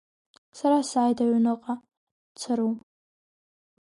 Сара сааит аҩныҟа, Цару.